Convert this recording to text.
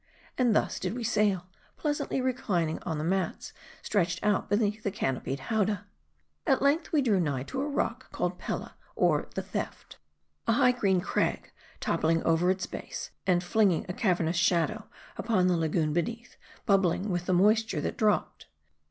And thus did we sail ; pleasantly reclining on the mats stretched out beneath the canopied liowdah. At length, we drew nigh to a rock, called Pella, or The Theft. A high, green crag, toppling over its base, and flinging a cavernous shadow upon the lagoon beneath, bubbling with the moisture that dropped.